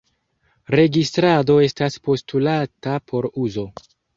Registrado estas postulata por uzo.